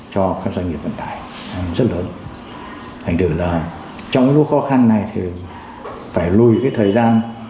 cho các doanh nghiệp vận tải rất lớn thành thử là trong cái lúc khó khăn này thì phải lùi cái thời gian